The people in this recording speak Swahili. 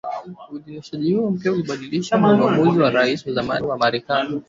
Uidhinishaji huo mpya unabatilisha uamuzi wa Rais wa zamani wa Marekani